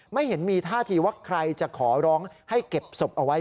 ไม่เห็นมีท่าทีว่าใครจะขอร้องให้เก็บศพเอาไว้